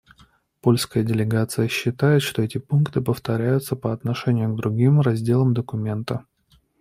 Польская делегация считает, что эти пункты повторяются по отношению к другим разделам документа.